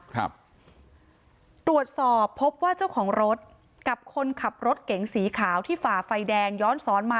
ตรวจสอบพบว่าเจ้าของรถกับคนขับรถเก๋งสีขาวที่ฝ่าไฟแดงย้อนสอนมา